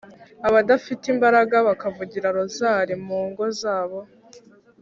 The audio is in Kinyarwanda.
abadafite imbaraga bakavugira rozari mu ngo zabo